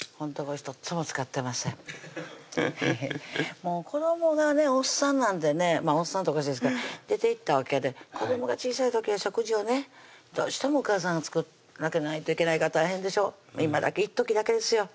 もう子どもがねおっさんなんでねおっさんっておかしいですが出ていったわけで子どもが小さい時は食事をねどうしてもお母さんが作らないといけないから大変でしょ今だけいっときだけですよ